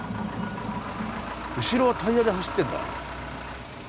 後ろはタイヤで走ってんだ。